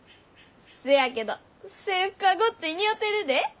せやけど制服はごっつい似合てるで。